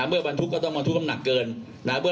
เมื่อบรรทุกก็ต้องบรรทุกน้ำหนักเกินนะครับ